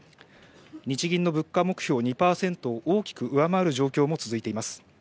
日銀の物価目標２％を大きく上回る状況も続いています。